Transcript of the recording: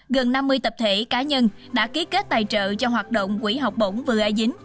gần năm mươi tập thể cá nhân đã ký kết tài trợ cho hoạt động quỹ học bổng vừa a dính